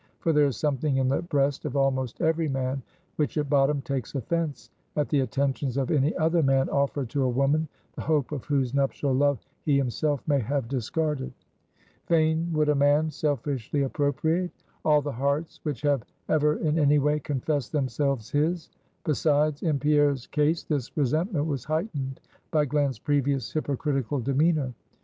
For there is something in the breast of almost every man, which at bottom takes offense at the attentions of any other man offered to a woman, the hope of whose nuptial love he himself may have discarded. Fain would a man selfishly appropriate all the hearts which have ever in any way confessed themselves his. Besides, in Pierre's case, this resentment was heightened by Glen's previous hypocritical demeanor.